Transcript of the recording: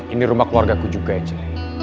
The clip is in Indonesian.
ini rumah keluargaku juga ece